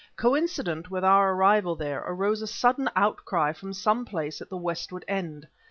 Coincident with our arrival there, arose a sudden outcry from some place at the westward end.